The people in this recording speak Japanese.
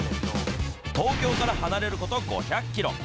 東京から離れること５００キロ。